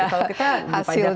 nah itu kalau kita mau